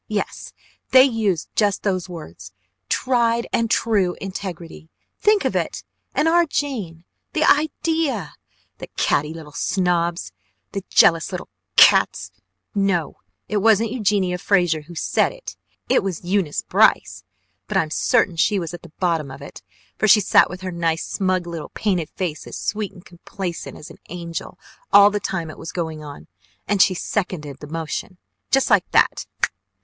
Yes, they used just those words, tried and true integrity! Think of it! And OUR JANE! The idea! The catty little snobs! The jealous little cats! No, it wasn't Eugenia Frazer who said it, it was Eunice Brice but I'm certain she was at the bottom of it, for she sat with her nice smug little painted face as sweet and complacent as an angel, all the time it was going on, and she seconded the motion! Just like that!